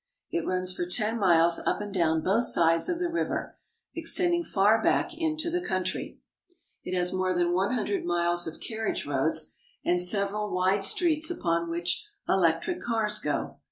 It runs for ten miles up and down both sides of the river, extending far 192 SI AM AND THE SIAMESE back into the country. It has more than one hundred miles of carriage roads, and several wide streets upon which electric cars go.